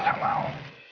gue gak mau